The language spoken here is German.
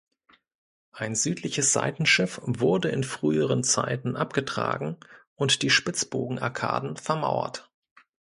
Ein südliches Seitenschiff wurde in früheren Zeiten abgetragen und die Spitzbogenarkaden vermauert.